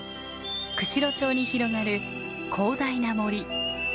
釧路町に広がる広大な森。